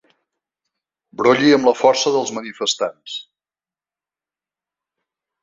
Brolli amb la força dels manifestants.